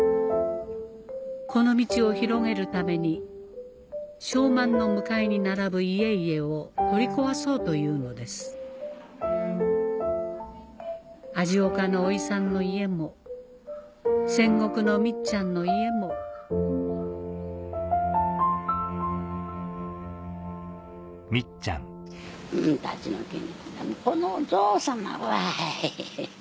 この道を広げるために昌万の向かいに並ぶ家々を取り壊そうというのです味岡のおいさんの家も仙石のみっちゃんの家も立ち退きこの造作なわい。